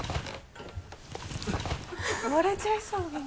割れちゃいそうビンが。